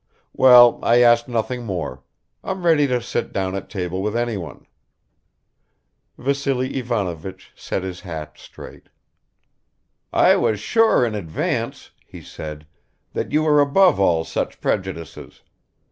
"Well, I ask nothing more. I'm ready to sit down at table with anyone." Vassily Ivanovich set his hat straight. "I was sure in advance," he said, "that you were above all such prejudices.